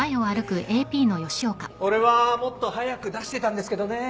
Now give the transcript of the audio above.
俺はもっと早く出してたんですけどねぇ。